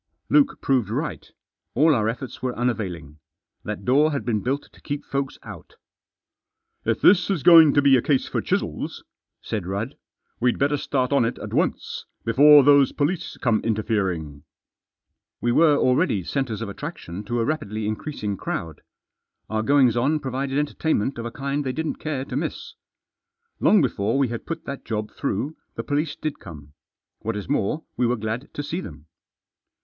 Luke proved right. All our efforts were unavailing. That door had been built to keep folks out " If this is going to be a case for chisels," said Rudd, " we'd better start on it at once, before those police come interfering." We were already centres of attraction to a rapidly increasing crowd. Our goings on provided enter tainment of a kind they didn't care to miss. Digitized by 903 THE JOSS. Long before we had put that job through the police did come. What is more, we were glad to see them.